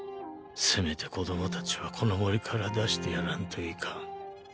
せめて子供たちはこの森から出してやらんといかん。